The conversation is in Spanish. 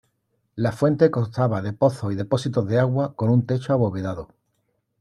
La fuente constaba de pozos y depósitos de agua, con un techo abovedado.